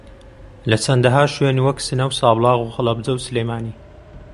لە چەندەھا شوێن وەک سنە و سابڵاخ و ھەڵەبجە و سلێمانی